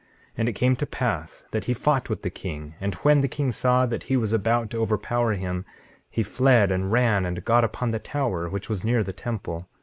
19:5 And it came to pass that he fought with the king; and when the king saw that he was about to overpower him, he fled and ran and got upon the tower which was near the temple.